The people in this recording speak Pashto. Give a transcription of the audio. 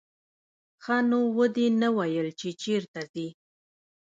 ښه نو ودې نه ویل چې چېرته ځې.